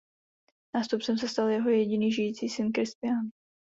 Nástupcem se stal jeho jediný žijící syn Kristián.